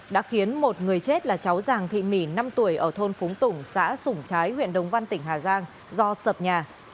đã khiến một người chết là cháu giàng thị mỉ năm tuổi ở thôn phúng tủng xã sủng trái huyện đồng văn tỉnh hà giang do sập nhà